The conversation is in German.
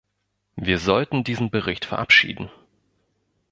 Wir sollten diesen Bericht verabschieden.